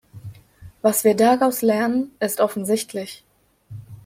Was wir daraus lernen, ist offensichtlich.